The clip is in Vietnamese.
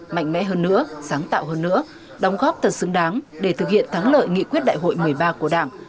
mạnh mẽ hơn nữa sáng tạo hơn nữa đóng góp thật xứng đáng để thực hiện thắng lợi nghị quyết đại hội một mươi ba của đảng